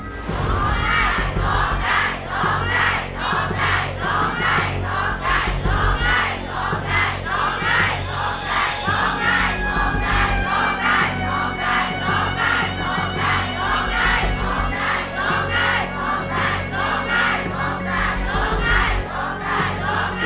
โทษให้โทษให้โทษให้โทษให้